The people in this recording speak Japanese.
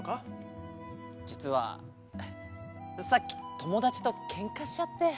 じつはさっきともだちとケンカしちゃって。